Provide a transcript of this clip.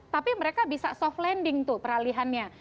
tapi mereka bisa soft landing tuh peralihannya